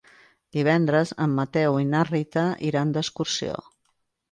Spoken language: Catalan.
Divendres en Mateu i na Rita iran d'excursió.